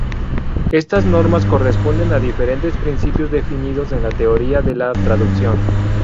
Estas normas corresponden a diferentes principios definidos en la teoría de la traducción.